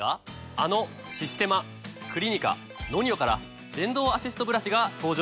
あのシステマクリニカＮＯＮＩＯから電動アシストブラシが登場したんです。